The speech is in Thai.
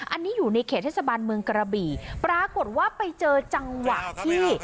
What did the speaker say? อันนี้อยู่ในเขตเทศบาลเมืองกระบี่ปรากฏว่าไปเจอจังหวะที่